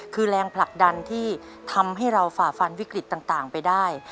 คือแรงผลักดันที่ทำให้เราฝ่าฟันวิกฤตต่างไปได้